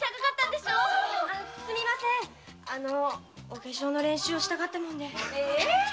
お化粧の練習をしたかったもんで。